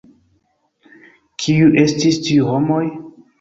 Kiuj estis tiu homoj?